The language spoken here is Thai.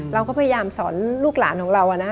เราก็พยายามสอนลูกหลานของเรานะ